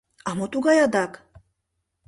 — А мо тугай адак?